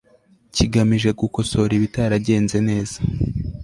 kigamije gukosora ibitaragenze neza